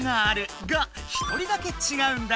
がひとりだけちがうんだ。